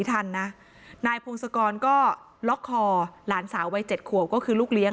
ทันนะนายพงศกรก็ล็อกคอหลานสาววัยเจ็ดขวบก็คือลูกเลี้ยง